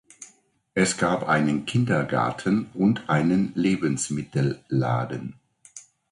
Es gab einen Kindergarten und einen Lebensmittelladen.